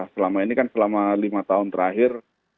selama ini kan selama lima tahun terakhir